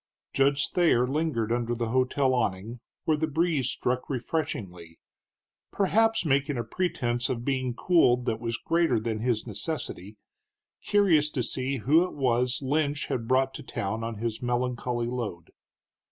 Judge Thayer lingered under the hotel awning, where the breeze struck refreshingly, perhaps making a pretense of being cooled that was greater than his necessity, curious to see who it was Lynch had brought to town on his melancholy load.